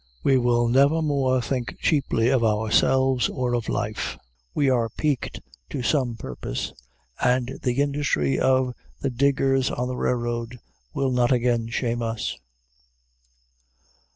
We will never more think cheaply of ourselves, or of life. We are piqued to some purpose, and the industry of the diggers on the railroad will not again shame us.